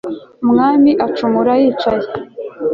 umwami acumura yicaye